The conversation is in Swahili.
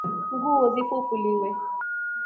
Nguo zifufuliwe.